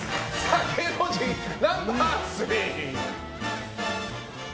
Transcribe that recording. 芸能人ナンバー３！